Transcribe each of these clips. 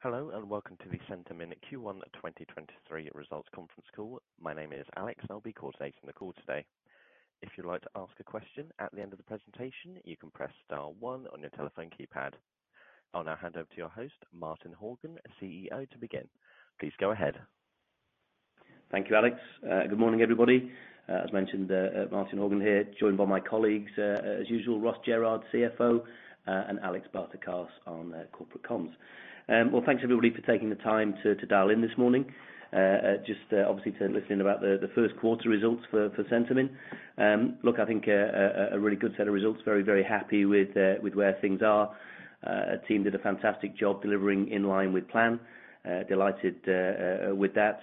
Hello, welcome to the Centamin Q1 2023 Results Conference Call. My name is Alex, I'll be coordinating the call today. If you'd like to ask a question at the end of the presentation, you can press star one on your telephone keypad. I'll now hand over to your host, Martin Horgan, CEO, to begin. Please go ahead. Thank you, Alex. Good morning, everybody. As mentioned, Martin Horgan here, joined by my colleagues, as usual, Ross Jerrard, CFO, and Alex Barter on corporate comms. Thanks, everybody, for taking the time to dial in this morning, just obviously to listen about the Q1 results for Centamin. I think a really good set of results. Very, very happy with where things are. Our team did a fantastic job delivering in line with plan. Delighted with that.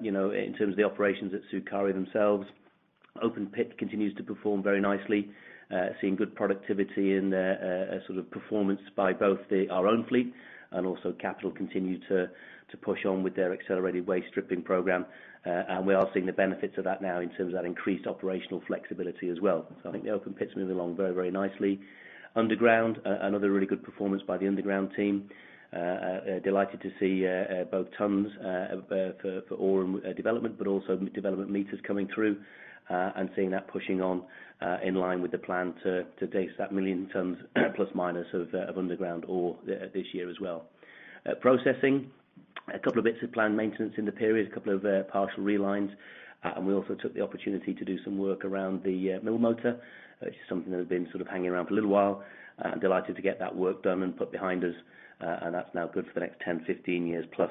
You know, in terms of the operations at Sukari themselves, open pit continues to perform very nicely, seeing good productivity and a sort of performance by both the, our own fleet and also Capital continue to push on with their accelerated waste stripping program. We are seeing the benefits of that now in terms of that increased operational flexibility as well. I think the open pit's moving along very, very nicely. Underground, another really good performance by the underground team. delighted to see both tons for ore and development, but also development meters coming through and seeing that pushing on in line with the plan to date that 1 million tons plus minus of underground ore this year as well. Processing, a couple of bits of planned maintenance in the period, a couple of partial relines, and we also took the opportunity to do some work around the mill motor. It's just something that has been sort of hanging around for a little while, and delighted to get that work done and put behind us, and that's now good for the next 10, 15 years plus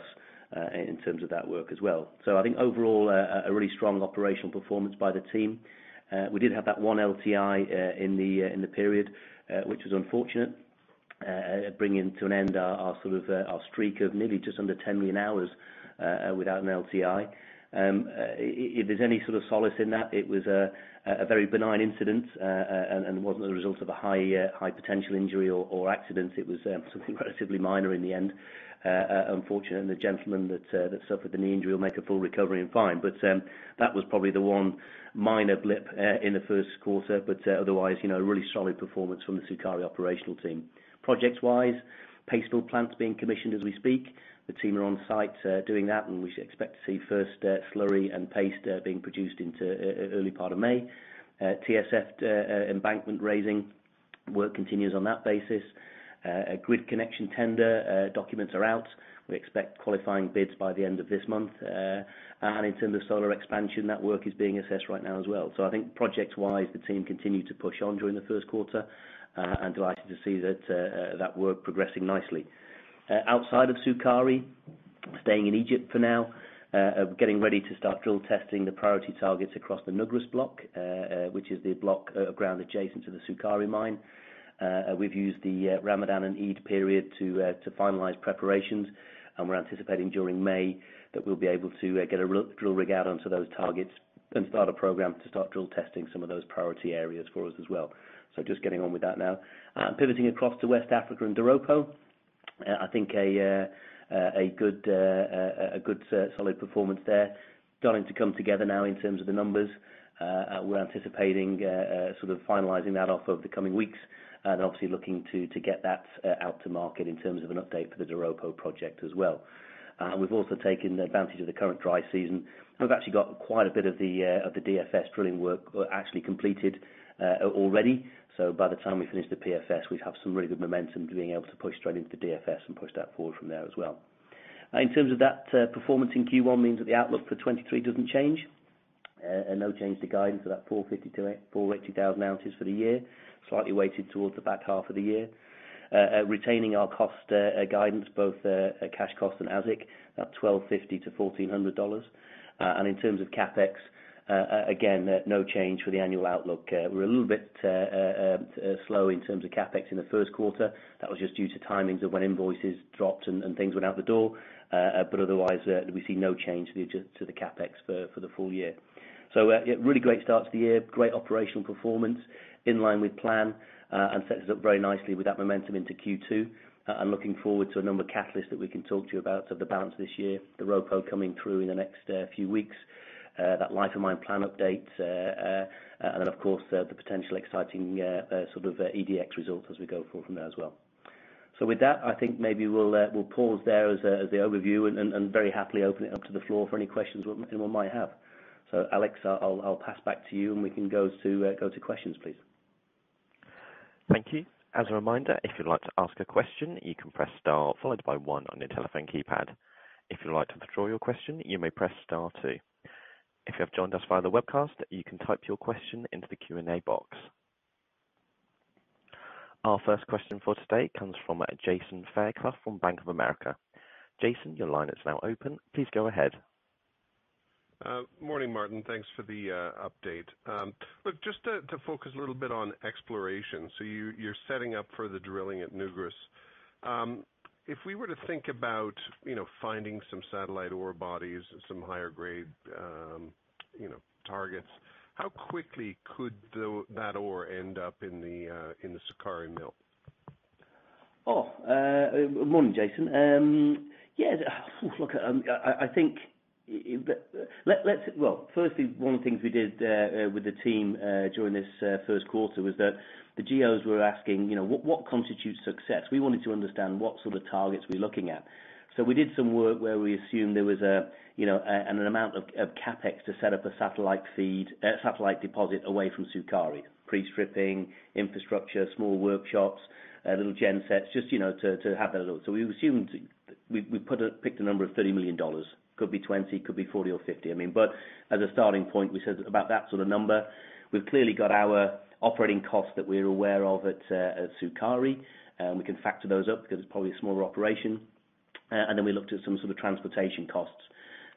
in terms of that work as well. I think overall, a really strong operational performance by the team. We did have that one LTI in the period, which was unfortunate, bringing to an end our sort of our streak of nearly just under 10 million hours without an LTI. If there's any sort of solace in that, it was a very benign incident and wasn't the result of a high potential injury or accident. It was something relatively minor in the end. Unfortunately, the gentleman that suffered the knee injury will make a full recovery and fine. That was probably the one minor blip in the first quarter. Otherwise, you know, really solid performance from the Sukari operational team. Projects-wise, paste plant being commissioned as we speak. The team are on site doing that, and we should expect to see first slurry and paste being produced into early part of May. TSF embankment raising work continues on that basis. A grid connection tender documents are out. We expect qualifying bids by the end of this month. In terms of solar expansion, that work is being assessed right now as well. I think project-wise, the team continued to push on during the Q1, and delighted to see that work progressing nicely. Outside of Sukari, staying in Egypt for now, getting ready to start drill testing the priority targets across the Nugrus Block, which is the block ground adjacent to the Sukari mine. We've used the Ramadan and Eid period to finalize preparations, and we're anticipating during May that we'll be able to get a drill rig out onto those targets and start a program to start drill testing some of those priority areas for us as well. Just getting on with that now. Pivoting across to West Africa and Doropo, I think a good solid performance there. Starting to come together now in terms of the numbers. We're anticipating sort of finalizing that off over the coming weeks and obviously looking to get that out to market in terms of an update for the Doropo project as well. We've also taken advantage of the current dry season. We've actually got quite a bit of the DFS drilling work actually completed already. By the time we finish the PFS, we should have some really good momentum to being able to push straight into the DFS and push that forward from there as well. In terms of that performance in Q1 means that the outlook for 2023 doesn't change. No change to guidance of that 450,000 to 480,000 ounces for the year, slightly weighted towards the back half of the year. Retaining our cost guidance, both cash cost and AISC, about $1,250 to $1,400. In terms of CapEx, again, no change for the annual outlook. We're a little bit slow in terms of CapEx in the 1st quarter. That was just due to timings of when invoices dropped and things went out the door. Otherwise, we see no change to the CapEx for the full year. Really great start to the year. Great operational performance in line with plan, and sets us up very nicely with that momentum into Q2. Looking forward to a number of catalysts that we can talk to you about for the balance of this year, Doropo coming through in the next few weeks, that life of mine plan update, and then, of course, the potential exciting sort of EDX results as we go forward from there as well. With that, I think maybe we'll pause there as the overview and very happily open it up to the floor for any questions anyone might have. Alex, I'll pass back to you and we can go to questions, please. Thank you. As a reminder, if you'd like to ask a question, you can press star followed by one on your telephone keypad. If you'd like to withdraw your question, you may press star two. If you have joined us via the webcast, you can type your question into the Q&A box. Our first question for today comes from Jason Fairclough from Bank of America. Jason, your line is now open. Please go ahead. Morning, Martin. Thanks for the update. look, just to focus a little bit on exploration, so you're setting up for the drilling at Nugrus. If we were to think about, you know, finding some satellite ore bodies, some higher grade, you know, targets, how quickly could that ore end up in the Sukari mill? Morning, Jason. Yeah, look, I think, let's. Well, firstly, one of the things we did with the team during this first quarter was that the GOs were asking, you know, what constitutes success? We wanted to understand what sort of targets we're looking at. We did some work where we assumed there was, you know, an amount of CapEx to set up a satellite feed, satellite deposit away from Sukari. Pre-stripping, infrastructure, small workshops, little gen sets, just, you know, to have that look. We assumed, we put a, picked a number of $30 million. Could be 20, could be 40 or 50, I mean. As a starting point, we said about that sort of number. We've clearly got our operating costs that we're aware of at Sukari, we can factor those up because it's probably a smaller operation. Then we looked at some sort of transportation costs.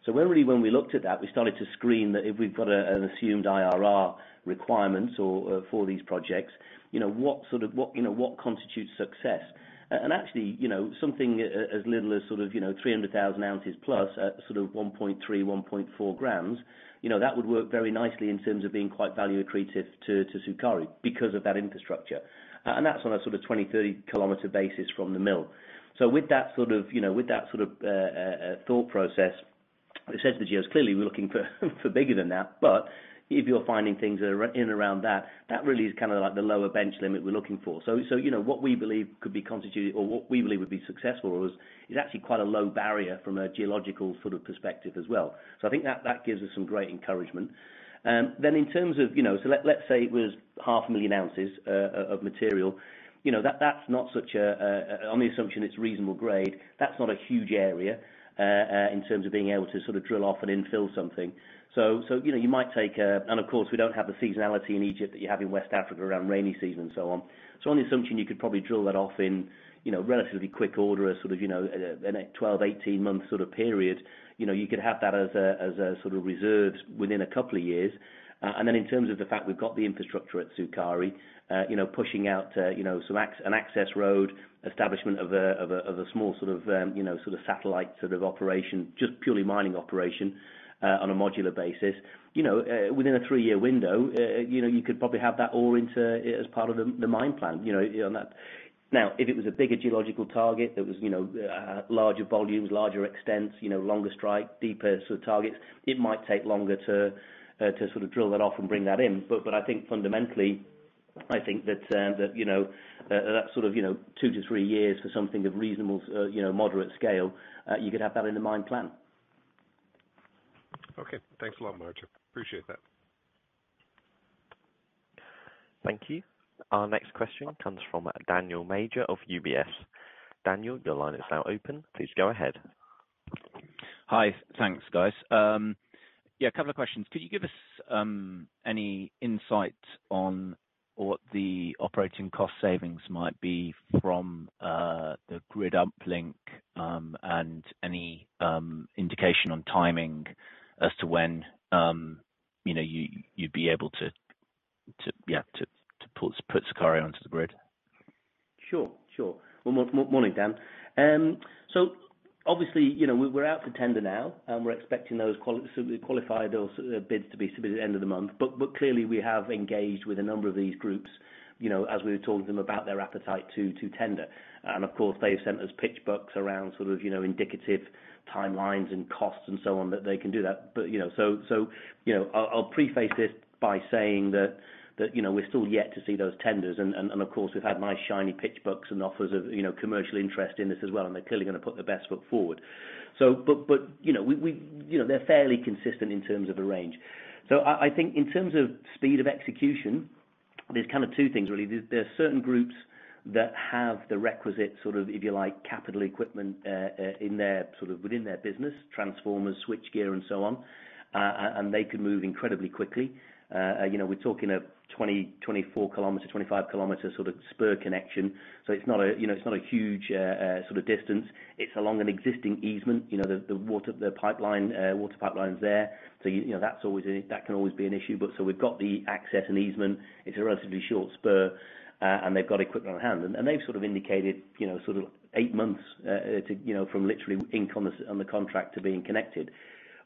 Really when we looked at that, we started to screen that if we've got a, an assumed IRR requirements or for these projects, you know, what sort of what, you know, what constitutes success? And actually, you know, something as little as sort of, you know, 300,000 ounces plus at sort of 1.3, 1.4 g, you know, that would work very nicely in terms of being quite value accretive to Sukari because of that infrastructure. That's on a sort of 20, 30-km basis from the mill. With that sort of, you know, with that sort of thought process, it says to GOs, clearly, we're looking for bigger than that. If you're finding things that are in around that really is kinda like the lower bench limit we're looking for. You know, what we believe could be constituted or what we believe would be successful is actually quite a low barrier from a geological sort of perspective as well. I think that gives us some great encouragement. In terms of, you know, let's say it was half a million ounces of material. You know that's not such a, on the assumption it's reasonable grade, that's not a huge area in terms of being able to sort of drill off and infill something. So, you know, you might take a. Of course, we don't have the seasonality in Egypt that you have in West Africa around rainy season and so on. On the assumption, you could probably drill that off in, you know, relatively quick order, you know, in a 12, 18 months period. You know, you could have that as a reserves within a couple of years. Then in terms of the fact we've got the infrastructure at Sukari, you know, pushing out, you know, an access road, establishment of a small, you know, satellite operation, just purely mining operation, on a modular basis. You know, within a three-year window, you know, you could probably have that all into as part of the mine plan, you know, on that. If it was a bigger geological target that was, you know, larger volumes, larger extents, you know, longer strike, deeper sort of targets, it might take longer to sort of drill that off and bring that in. I think fundamentally, I think that, you know, that sort of, you know, two to three years for something of reasonable, you know, moderate scale, you could have that in the mine plan. Okay. Thanks a lot, Martin. Appreciate that. Thank you. Our next question comes from Daniel Major of UBS. Daniel, your line is now open. Please go ahead. Sure. Sure. Well, morning, Dan. Obviously, you know, we're out for tender now, and we're expecting those sort of qualified or sort of bids to be submitted at the end of the month. Clearly, we have engaged with a number of these groups, you know, as we were talking to them about their appetite to tender. Of course, they have sent us pitch books around sort of, you know, indicative timelines and costs and so on that they can do that. You know, I'll preface this by saying that, you know, we're still yet to see those tenders. Of course, we've had nice, shiny pitch books and offers of, you know, commercial interest in this as well, and they're clearly gonna put their best foot forward. But, you know, we, you know, they're fairly consistent in terms of a range. I think in terms of speed of execution, there's kind of two things, really. There are certain groups that have the requisite, if you like, capital equipment in their business, transformers, switchgear, and so on, and they can move incredibly quickly. You know, we're talking a 20, 24 km, 25 km sort of spur connection. It's not a, you know, it's not a huge sort of distance. It's along an existing easement, you know, the water, the pipeline, water pipeline's there. You know, that's always a, that can always be an issue. We've got the access and easement. It's a relatively short spur, and they've got equipment on hand. They've sort of indicated, you know, sort of eight months to, you know, from literally ink on the contract to being connected.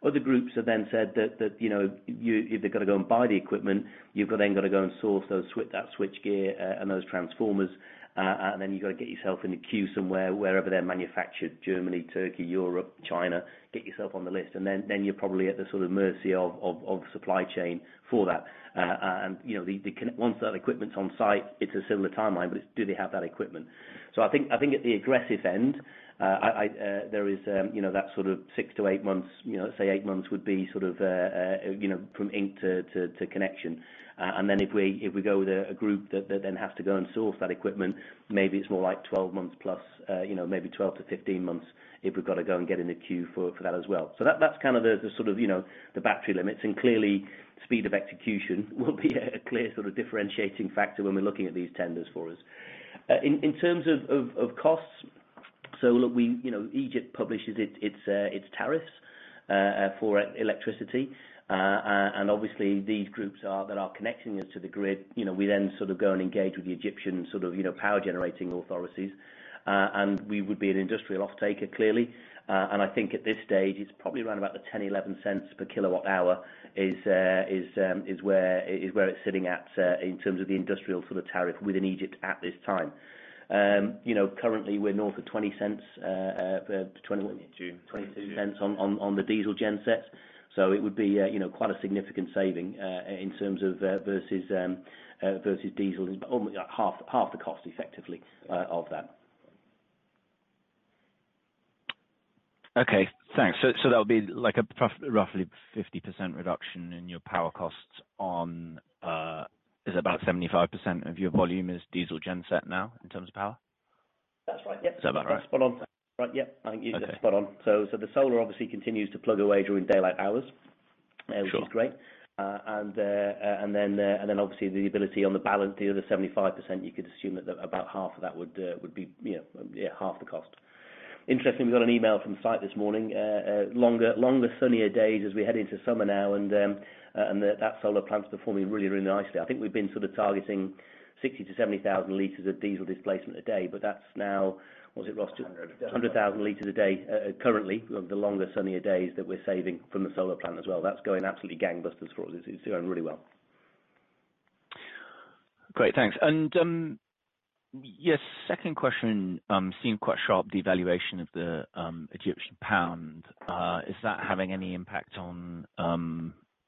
Other groups have then said that, you know, you, if they've got to go and buy the equipment, you've then gotta go and source that switchgear and those transformers, and then you've got to get yourself in a queue somewhere, wherever they're manufactured, Germany, Turkey, Europe, China, get yourself on the list. Then, you're probably at the sort of mercy of supply chain for that. You know, Once that equipment's on site, it's a similar timeline, but it's do they have that equipment? I think at the aggressive end, I, there is, you know, that sort of six to eight months, you know, let's say eight months would be sort of, you know, from ink to connection. If we go with a group that then has to go and source that equipment, maybe it's more like 12 months plus, you know, maybe 12 to 15 months if we've got to go and get in the queue for that as well. That's kind of the sort of, you know, the battery limits. Clearly, speed of execution will be a clear sort of differentiating factor when we're looking at these tenders for us. In terms of costs, we, you know, Egypt publishes its tariffs for electricity. These groups are, that are connecting us to the grid, you know, we then go and engage with the Egyptian power generating authorities. We would be an industrial off-taker, clearly. At this stage, it's probably around about the $0.10-$0.11 per kWh is where it's sitting at in terms of the industrial tariff within Egypt at this time. You know, currently we're north of $0.20. June. $0.22 on the diesel gen sets. It would be, you know, quite a significant saving in terms of versus diesel, but only half the cost effectively of that. Okay, thanks. That'll be like a roughly 50% reduction in your power costs on, is about 75% of your volume is diesel gen set now in terms of power? That's right, yep. Is that about right? Spot on. Right, yep. I think you said it- Okay. spot on. The solar obviously continues to plug away during daylight hours. Sure. Which is great. Obviously the ability on the balance, the other 75%, you could assume that about half of that would be, you know, yeah, half the cost. Interesting, we got an email from site this morning, longer, sunnier days as we head into summer now and that solar plant's performing really, really nicely. I think we've been sort of targeting 60,000 to 70,000 liters of diesel displacement a day, that's now, was it Ross two- Hundred. 100,000 liters a day, currently, of the longer, sunnier days that we're saving from the solar plant as well. That's going absolutely gangbusters for us. It's going really well. Great. Thanks. Yes, second question, seeing quite sharp devaluation of the Egyptian pound, is that having any impact on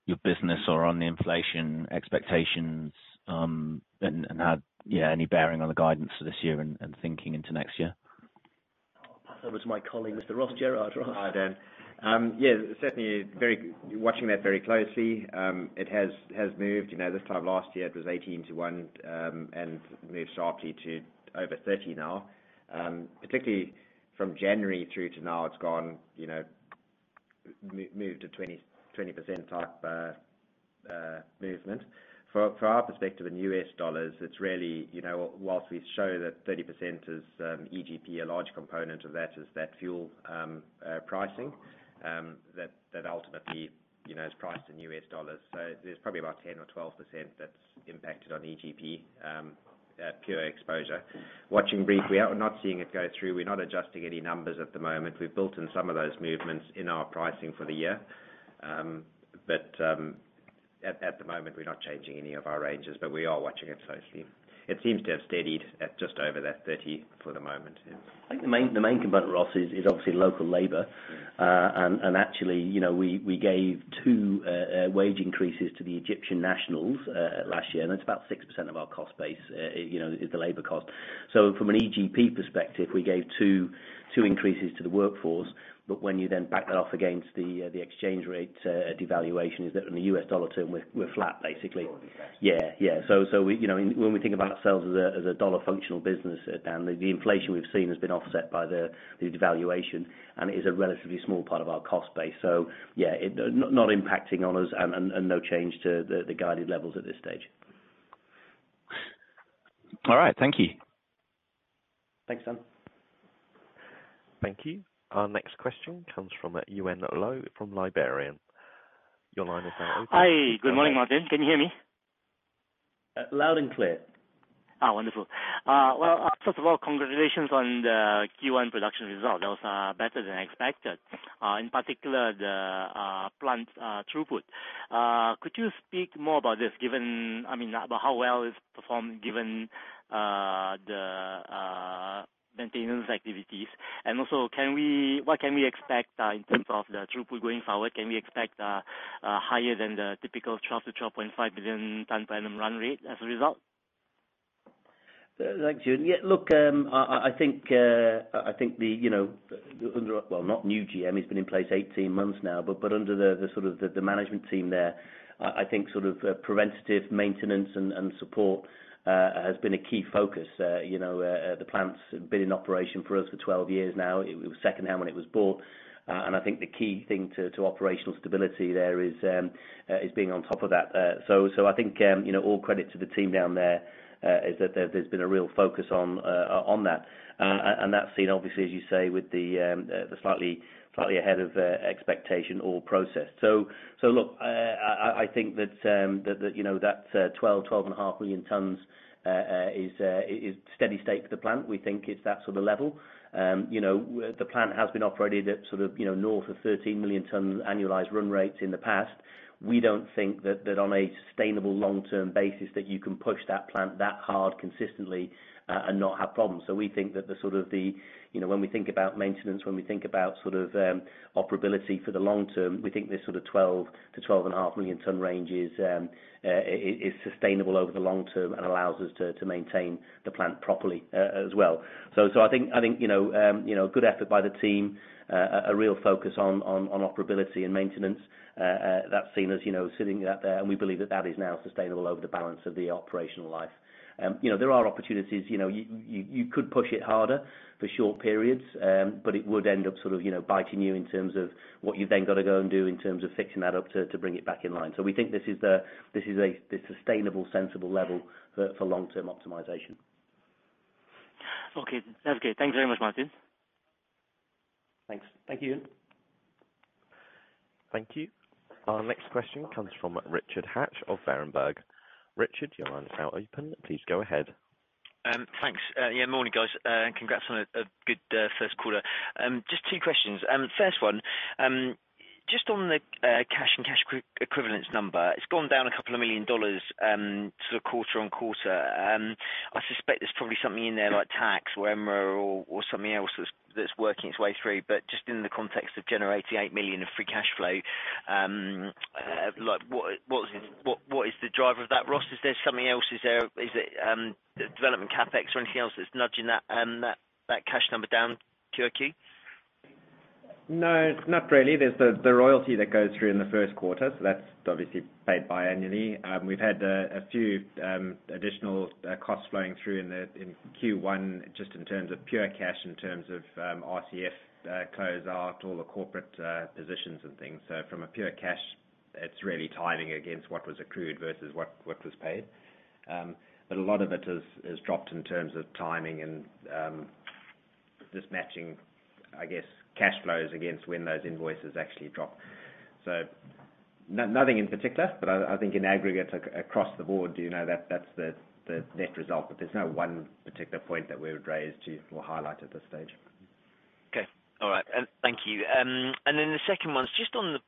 your business or on the inflation expectations, and had, yeah, any bearing on the guidance for this year and thinking into next year? I'll pass over to my colleague, Mr. Ross Jerrard. Ross. Hi, Dan. Yeah, certainly watching that very closely. It has moved, you know, this time last year it was 18 to one. It moved sharply to over 30 now. Particularly from January through to now it's gone, you know, moved to 20% type movement. For our perspective in US dollars it's really, you know, whilst we show that 30% is EGP, a large component of that is that fuel pricing that ultimately, you know, is priced in US dollars. There's probably about 10% or 12% that's impacted on EGP pure exposure. Watching brief, we are not seeing it go through. We're not adjusting any numbers at the moment. We've built in some of those movements in our pricing for the year. At the moment we're not changing any of our ranges, but we are watching it closely. It seems to have steadied at just over that 30 for the moment, yeah. I think the main component, Ross, is obviously local labor. Actually, you know, we gave two wage increases to the Egyptian nationals last year, and it's about 6% of our cost base, you know, is the labor cost. From an EGP perspective, we gave two increases to the workforce, but when you then back that off against the exchange rate devaluation is that in the US $ term, we're flat basically. Sure. Yeah. Yeah. We, you know, when we think about ourselves as a $ functional business, Dan, the inflation we've seen has been offset by the devaluation and is a relatively small part of our cost base. Yeah, it not impacting on us and no change to the guided levels at this stage. All right. Thank you. Thanks, Dan. Thank you. Our next question comes from, Yuen Low from Liberum. Your line is now open. Hi. Good morning, Martin. Can you hear me? loud and clear. Wonderful. Well, first of all, congratulations on the Q1 production result. Those are better than expected. In particular the plant's throughput. Could you speak more about this, I mean, about how well it's performed given the maintenance activities? Also, what can we expect in terms of the throughput going forward? Can we expect higher than the typical 12 to 12.5 million ton per annum run rate as a result? Thank you. Yeah, look, I think, I think the, you know, under, well, not new GM, he's been in place 18 months now, but under the sort of the management team there, I think sort of preventative maintenance and support has been a key focus. You know, the plant's been in operation for us for 12 years now. It was secondhand when it was bought. I think the key thing to operational stability there is being on top of that. I think, you know, all credit to the team down there, is that there's been a real focus on that. That's seen obviously, as you say, with the slightly ahead of expectation or process. Look, I think that, you know, that 12.5 million tons is steady state for the plant. We think it's that sort of level. You know, the plant has been operated at sort of, you know, north of 13 million tons annualized run rates in the past. We don't think that on a sustainable long-term basis that you can push that plant that hard consistently and not have problems. We think that the sort of the, you know, when we think about maintenance, when we think about sort of, operability for the long term, we think this sort of 12 to 12.5 million ton range is sustainable over the long term and allows us to maintain the plant properly as well. I think, you know, good effort by the team, a real focus on operability and maintenance. That's seen as, you know, sitting at there, and we believe that that is now sustainable over the balance of the operational life. You know, there are opportunities. You know, you could push it harder for short periods, but it would end up sort of, you know, biting you in terms of what you've then gotta go and do in terms of fixing that up to bring it back in line. We think this is the sustainable, sensible level for long-term optimization. Okay. That's great. Thank you very much, Martin. Thanks. Thank you, Yuan. Thank you. Our next question comes from Richard Hatch of Berenberg. Richard, your line is now open. Please go ahead. Thanks. Yeah, morning guys, congrats on a good first quarter. Just two questions. First one, just on the cash and cash equivalents number, it's gone down $2 million, sort of quarter-on-quarter. I suspect there's probably something in there like tax or EMRA or something else that's working its way through. Just in the context of generating $8 million of free cash flow, like what is the driver of that, Ross? Is there something else? Is it development CapEx or anything else that's nudging that cash number down Q-to-Q? No, not really. There's the royalty that goes through in the first quarter. That's obviously paid biannually. We've had a few additional costs flowing through in Q1, just in terms of pure cash, in terms of RCF close out, all the corporate positions and things. From a pure cash, it's really timing against what was accrued versus what was paid. A lot of it has dropped in terms of timing and just matching, I guess, cash flows against when those invoices actually drop. Nothing in particular, but I think in aggregate across the board, you know, that's the net result. There's no one particular point that we would raise to or highlight at this stage. Okay. All right. Thank you. The second one's just on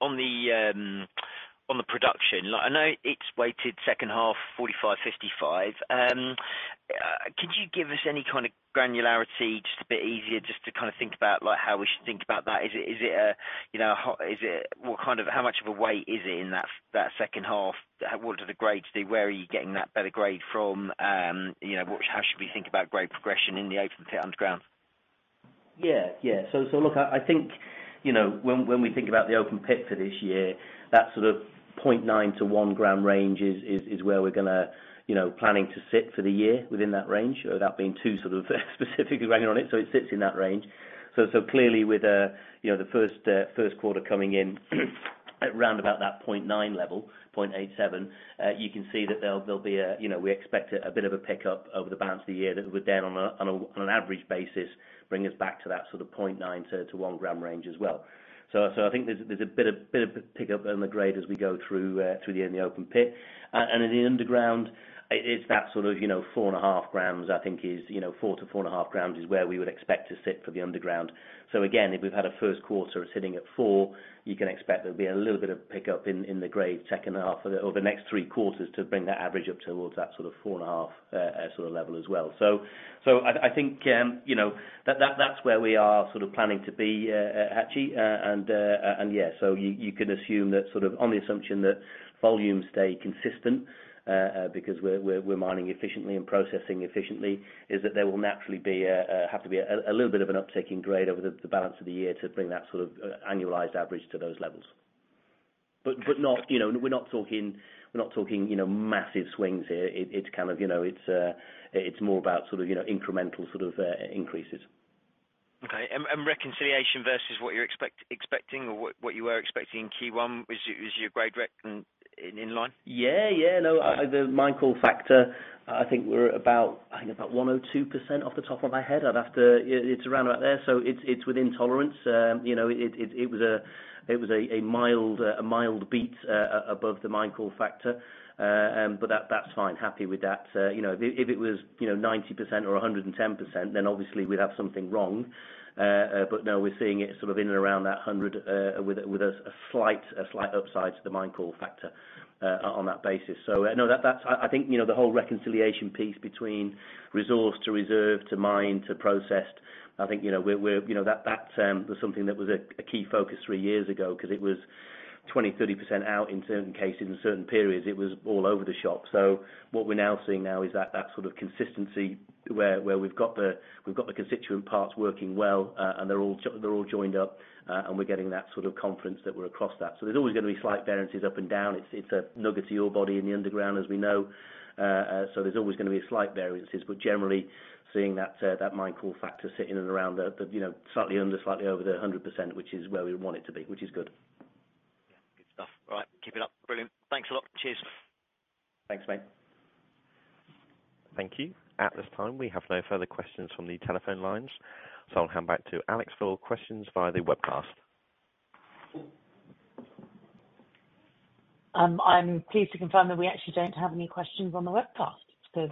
the on the production. Like I know it's weighted second half 45, 55. Could you give us any kind of granularity just a bit easier just to kinda think about like how we should think about that? Is it, is it a, you know, is it. How much of a weight is it in that second half? What are the grades? Where are you getting that better grade from? You know, what. How should we think about grade progression in the open pit underground? Yeah. Look, I think, you know, when we think about the open pit for this year, that sort of 0.9-1 gram range is where we're gonna, you know, planning to sit for the year within that range, without being too sort of specifically banging on it. It sits in that range. Clearly with, you know, the first quarter coming in at round about that 0.9 level, 0.87, you can see that there'll be a, you know, we expect a bit of a pickup over the balance of the year that we're down on an average basis, bring us back to that sort of 0.9-1 gram range as well. I think there's a bit of pickup on the grade as we go through through the end of the open pit. And in the underground, it's that sort of, you know, 4.5 g I think is, you know, 4 to 4.5 grams is where we would expect to sit for the underground. Again, if we've had a Q1 sitting at four, you can expect there'll be a little bit of pickup in the grade second half of the, or the next three quarters to bring that average up towards that sort of 4.5 sort of level as well. I think, you know, that's where we are sort of planning to be actually. And yeah. You, you can assume that sort of on the assumption that volumes stay consistent, because we're mining efficiently and processing efficiently, is that there will naturally have to be a little bit of an uptake in grade over the balance of the year to bring that sort of annualized average to those levels. Not, you know, we're not talking, you know, massive swings here. It's kind of, you know, it's more about sort of, you know, incremental sort of increases. Okay. reconciliation versus what you're expecting or what you were expecting in Q1, is your grade rec in line? Yeah. Yeah. No, the mine call factor, I think we're about, I think about 102% off the top of my head. It's around about there. It's, it's within tolerance. you know, it, it was a, it was a mild, a mild beat above the mine call factor. that's fine. Happy with that. you know, if it, if it was, you know, 90% or 110%, then obviously we'd have something wrong. no, we're seeing it sort of in and around that 100, with a, with a slight, a slight upside to the mine call factor, on that basis. no, that's... I think, you know, the whole reconciliation piece between resource to reserve to mine to processed, I think, you know, we're, you know, that was something that was a key focus three years ago 'cause it was 20%, 30% out in certain cases, in certain periods. It was all over the shop. What we're now seeing now is that sort of consistency where we've got the, we've got the constituent parts working well, and they're all joined up. We're getting that sort of confidence that we're across that. There's always gonna be slight variances up and down. It's, it's a nugget to your body in the underground, as we know. There's always gonna be slight variances. Generally, seeing that mine call factor sitting in and around the, you know, slightly under, slightly over the 100%, which is where we want it to be, which is good. Good stuff. All right. Keep it up. Brilliant. Thanks a lot. Cheers. Thanks, mate. Thank you. At this time, we have no further questions from the telephone lines. I'll hand back to Alex for questions via the webcast. I'm pleased to confirm that we actually don't have any questions on the webcast. There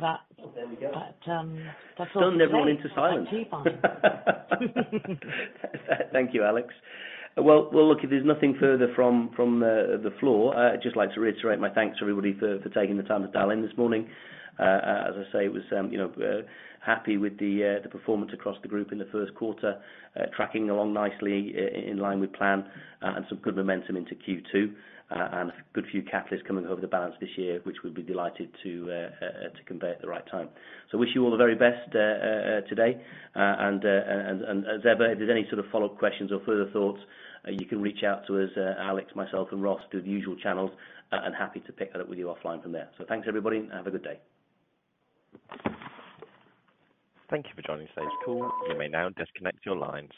we go. That's all to say. Stunned everyone into silence. Thank you, Brian. Thank you, Alex. Well look, if there's nothing further from the floor, I'd just like to reiterate my thanks to everybody for taking the time to dial in this morning. As I say, it was, you know, happy with the performance across the group in the first quarter. Tracking along nicely in line with plan, and some good momentum into Q2, and a good few catalysts coming over the balance this year, which we'll be delighted to convey at the right time. Wish you all the very best today. As ever, if there's any sort of follow-up questions or further thoughts, you can reach out to us, Alex, myself and Ross, through the usual channels, and happy to pick that up with you offline from there. Thanks, everybody, and have a good day. Thank you for joining today's call. You may now disconnect your lines.